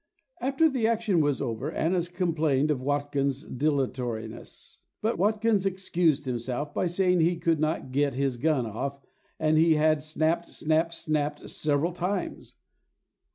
After the action was over, Annis complained of Watkins' dilatoriness, but Watkins excused himself by saying he could not get his gun off, that he had snapt, snapt, snapt several times.